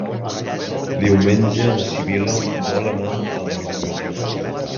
Diumenge na Sibil·la vol anar a la biblioteca.